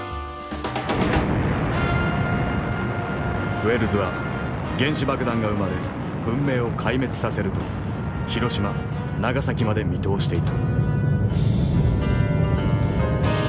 ウェルズは原子爆弾が生まれ文明を壊滅させると広島長崎まで見通していた。